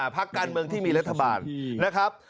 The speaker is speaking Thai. พักการเมืองที่มีรัฐบาลนะครับ